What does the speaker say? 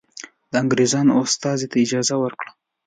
د انګرېزانو استازي ته اجازه ورکړه.